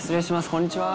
こんにちは。